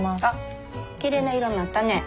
きれいな色になったね。